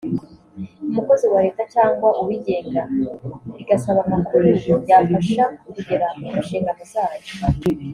umukozi wa Leta cyangwa uwigenga igasaba amakuru yafasha kugera ku nshingano zayo